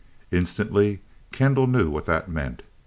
Instantly Kendall knew what that meant.